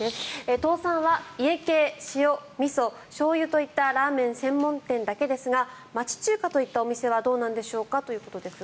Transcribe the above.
倒産は家系、塩みそ、しょうゆといったラーメン専門店だけですが町中華といったお店はどうなんでしょうかということですが。